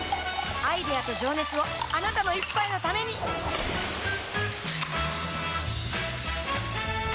アイデアと情熱をあなたの一杯のためにプシュッ！